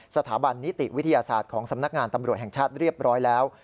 สถาบันนิติวิทยาศาสตร์ของสำนักงานตำรวจแห่งชาติเรียบร้อยแล้ว